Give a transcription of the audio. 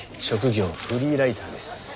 職業フリーライターです。